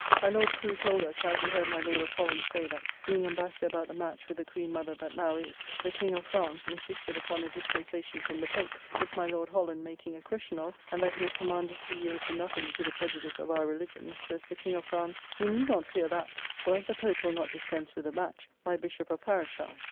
My Lord Crew told us how he heard my Lord of Holland say that, being Embassador about the match with the Queene Mother that now is, the King of France [Louis XIII., in 1624.] insisted upon a dispensation from the Pope, which my Lord Holland making a question of, and that he was commanded to yield to nothing to the prejudice of our religion, says the King of France, "You need not fear that, for if the Pope will not dispense with the match, my Bishopp of Paris shall."